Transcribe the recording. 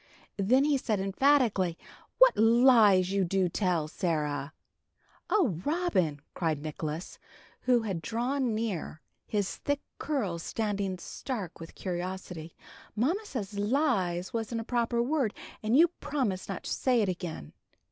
Then he said, emphatically, "What lies you do tell, Sarah!" "Oh, Robin!" cried Nicholas, who had drawn near, his thick curls standing stark with curiosity, "Mamma said 'lies' wasn't a proper word, and you promised not to say it again."